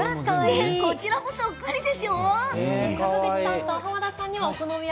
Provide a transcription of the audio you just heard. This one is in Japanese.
こちらも、そっくりでしょう？